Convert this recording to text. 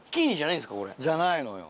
じゃないのよ。